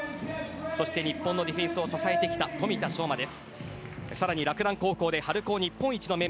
そして日本のディフェンスを支えてきた富田翔馬です。